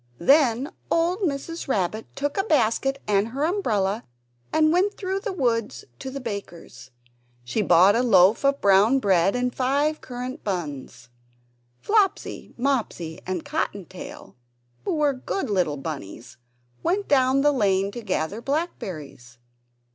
Then old Mrs. Rabbit took a basket and her umbrella and went through the wood to the baker's. She bought a loaf of brown bread and five currant buns. Flopsy, Mopsy, and Cotton tail, who were good little bunnies, went down the lane to gather blackberries.